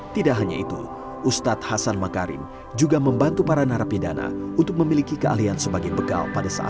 tidak hanya terpidana ustadz hasan makarim juga membantu menyadarkan mereka dari paham radikal untuk kembali mengakui keberadaan negara kesatuan republik indonesia